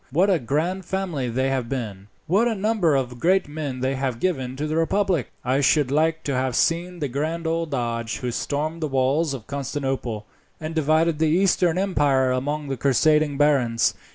What a grand family they have been, what a number of great men they have given to the republic! I should like to have seen the grand old Doge who stormed the walls of Constantinople, and divided the Eastern empire among the crusading barons.